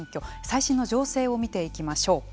最新の情勢を見ていきましょう。